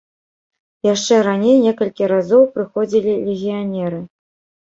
Яшчэ раней некалькі разоў прыходзілі легіянеры.